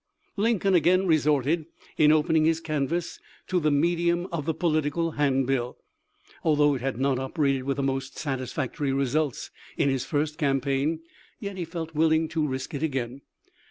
Lincoln again resorted, in opening his canvass, to the medium of the political handbill. Although it had not operated with the most satisfactory results in his first campaign, yet he felt willing to risk it again.